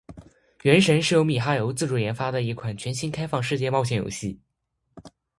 《原神》是由米哈游自主研发的一款全新开放世界冒险游戏。